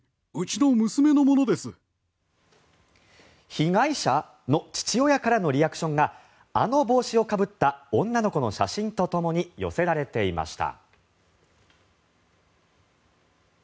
被害者？の父親からのリアクションがあの帽子をかぶった女の子の写真とともに寄せられていました。